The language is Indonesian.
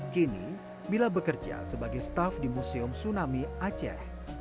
kini mila bekerja sebagai staff di museum tsunami aceh